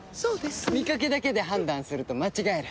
見かけだけで判断すると間違える。